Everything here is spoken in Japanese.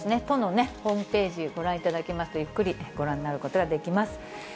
都のホームページ、ご覧いただきますと、ゆっくりご覧になることができます。